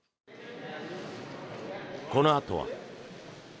このあとは。